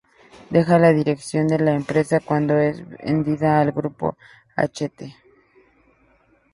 Deja la dirección de la empresa cuando es vendida al grupo Hachette.